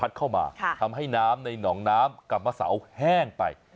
เข้ามาทำให้น้ำในหนองน้ำกลับมาเสาแห้งไป